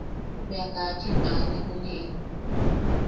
Bea kachin aʼane juniʼi.